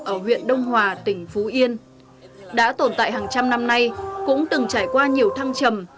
ở huyện đông hòa tỉnh phú yên đã tồn tại hàng trăm năm nay cũng từng trải qua nhiều thăng trầm